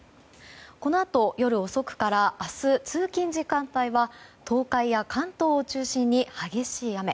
このあと夜遅くから明日の通勤時間帯は東海や関東を中心に激しい雨。